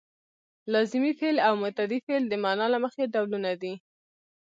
لازمي فعل او متعدي فعل د معنا له مخې ډولونه دي.